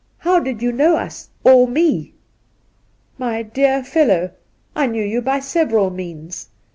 How did you know us — or me ?'' My dear fellow, I knew you by several means.